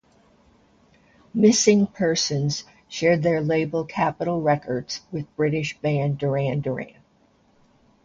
Missing Persons shared their label Capitol Records with British band Duran Duran.